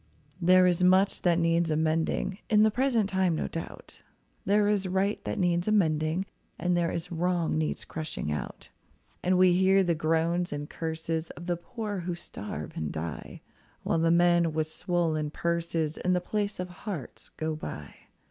There is much that needs amending In the present time, no doubt; There is right that needs amending, There is wrong needs crushing out. And we hear the groans and curses Of the poor who starve and die, While the men with swollen purses In the place of hearts go by.